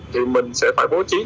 thì mình sẽ phải bố trí